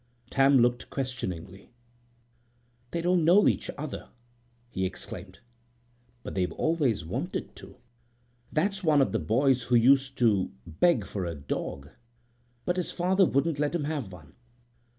Tam looked questioningly. "They didn't know each other!" he exclaimed. "But they've always wanted to. That's one of the boys who used to beg for a dog, but his father wouldn't let him have one.